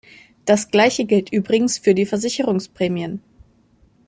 Das Gleiche gilt übrigens für die Versicherungsprämien.